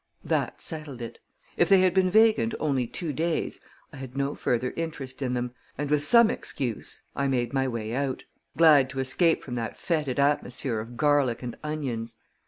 That settled it. If they had been vacant only two days, I had no further interest in them, and with some excuse I made my way out, glad to escape from that fetid atmosphere of garlic and onions.